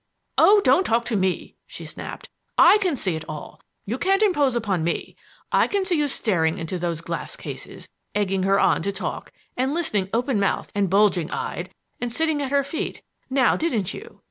"Oh, don't talk to me!" she snapped. "I can see it all. You can't impose upon me. I can see you staring into those glass cases, egging her on to talk and listening open mouthed and bulging eyed and sitting at her feet now, didn't you?"